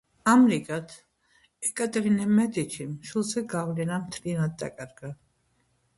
ამრიგად ეკატერინე მედიჩიმ შვილზე გავლენა მთლიანად დაკარგა.